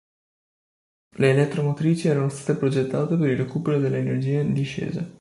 Le elettromotrici erano state progettate per il recupero dell'energia in discesa.